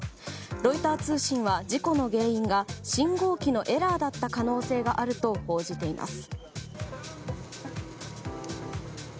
ロイター通信は、事故の原因が信号機のエラーだった可能性があると報じています。